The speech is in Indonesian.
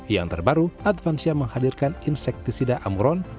yang terbaru advansia menghadirkan insektisida amuron